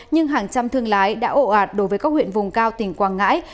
nhưng hàng trăm thương lái đã ồ ạt đối với các huyện vùng cao tỉnh quảng ngãi